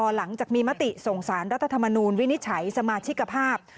หลังจากมีมติส่งสารรัฐธรรมนูลวินิจฉัยสมาชิกภาพ